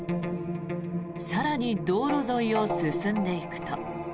更に道路沿いを進んでいくと。